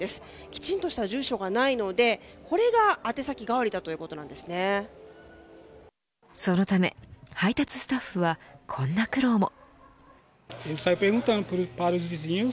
きちんとした住所がないのでこれが宛先代わりだそのため配達スタッフはこんな苦労も。